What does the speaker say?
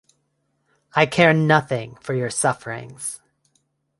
I care nothing for your sufferings.